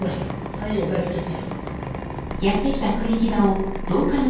鍵お借りしてきました。